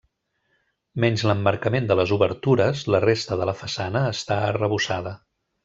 Menys l'emmarcament de les obertures, la resta de la façana està arrebossada.